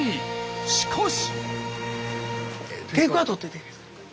しかし。